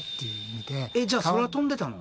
えっじゃあ空飛んでたの？